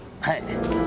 はい。